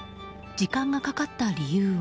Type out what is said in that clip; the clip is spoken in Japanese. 時間がかかった理由は。